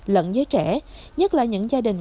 lẫn với trẻ nhất là những gia đình